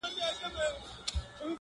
تا کاسه خپله وهلې ده په لته!.